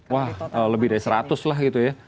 wah lebih dari seratus lah gitu ya